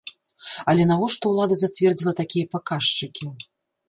Але навошта ўлада зацвердзіла такія паказчыкі?